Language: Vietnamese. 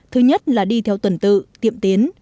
thứ nhất là đi theo tuần tự tiệm tiến